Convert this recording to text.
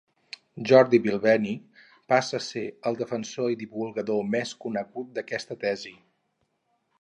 Jordi Bilbeny passa a ser el defensor i divulgador més conegut d'aquesta tesi.